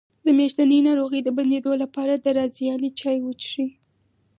د میاشتنۍ ناروغۍ د بندیدو لپاره د رازیانې چای وڅښئ